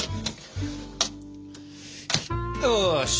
よし。